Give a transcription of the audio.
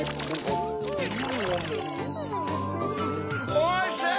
おいしい！